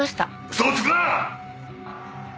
嘘をつくな！